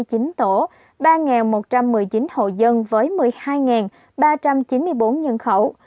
tỉ khóm bảy mươi chín tổ ba một trăm một mươi chín hộ dân với một mươi hai ba trăm chín mươi bốn nhân khẩu